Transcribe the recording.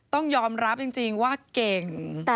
ต้องยอมรับจริงว่าเก่ง